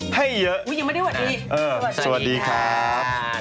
โปรดติดตามตอนต่อไป